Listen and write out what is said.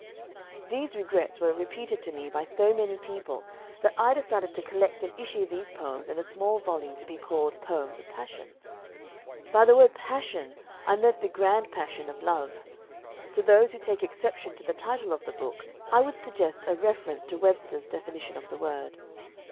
These regrets were repeated to me by so many people that I decided to collect and issue these poems in a small volume to be called "Poems of Passion." By the word "Passion" I meant the "grand passion" of love. To those who take exception to the title of the book I would suggest an early reference to Webster's definitions of the word.